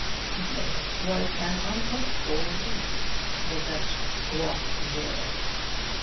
This was an unhoped for lead. The Duchess walked warily.